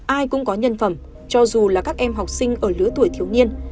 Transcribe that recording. ai cũng có nhân phẩm cho dù là các em học sinh ở lứa tuổi thiếu niên